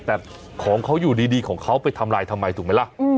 แต่ของเขาอยู่ดีของเขาไปทำลายทำไมถูกไหมล่ะ